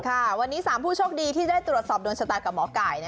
ค่ะวันนี้๓ผู้โชคดีที่ได้ตรวจสอบโดนชะตากับหมอไก่